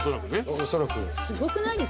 おそらくね。